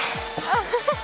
アハハッ！